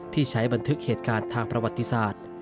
ที่ใช้บันทึกเหตุการณ์ทางประวัติศาสตร์